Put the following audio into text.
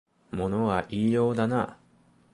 物は言いようだなあ